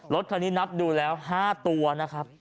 รถคันนี้นับดูแล้ว๕ตัวนะครับ